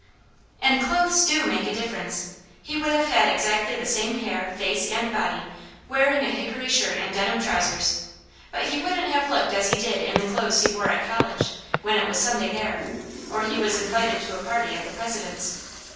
And clothes DO make a difference. He would have had exactly the same hair, face, and body, wearing a hickory shirt and denim trousers; but he wouldn't have looked as he did in the clothes he wore at college, when it was Sunday there, or he was invited to a party at the President's.